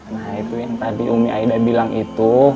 nah itu yang tadi umi aida bilang itu